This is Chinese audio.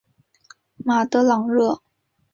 马德朗热。